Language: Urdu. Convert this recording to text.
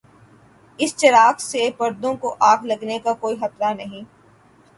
اس چراغ سے پردوں کو آگ لگنے کا کوئی خطرہ نہیں۔